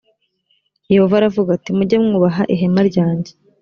yehova aravuga ati mujye mwubaha ihema ryange